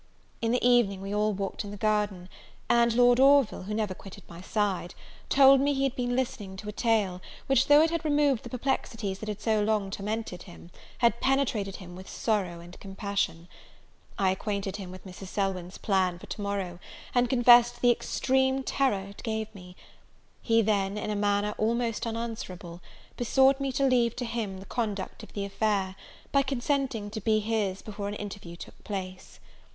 In the evening we all walked in the garden; and Lord Orville, who never quitted my side, told me he had been listening to a tale, which though it had removed the perplexities that had so long tormented him, had penetrated him with sorrow and compassion. I acquainted him with Mrs. Selwyn's plan for to morrow, and confessed the extreme terror it gave me. He then, in a manner almost unanswerable, besought me to leave to him the conduct of the affair, by consenting to be his before an interview took place.